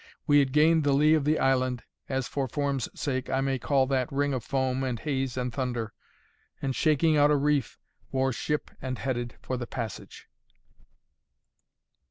We had gained the lee of the island as (for form's sake) I may call that ring of foam and haze and thunder; and shaking out a reef, wore ship and headed for the passage.